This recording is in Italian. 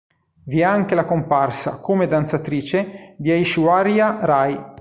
Vi è anche la comparsa, come danzatrice, di Aishwarya Rai.